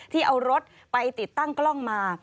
ที่เอารถไปติดตั้งกล้องมา